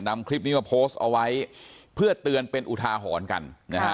นำคลิปนี้มาโพสต์เอาไว้เพื่อเตือนเป็นอุทาหรณ์กันนะฮะ